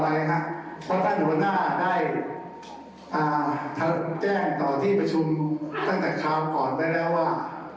ท่านอย่าพูดไปตื่นตลอดอะไรครับเพราะท่านหัวหน้าได้แจ้งต่อที่ประชุมตั้งแต่คราวก่อนไปแล้วว่า